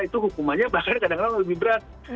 itu hukumannya bahkan kadang kadang lebih berat